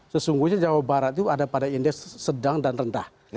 sesungguhnya jawa barat itu ada pada indeks sedang dan rendah